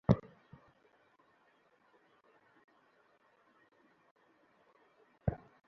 তোমরা জানো না বাইরে কী আছে।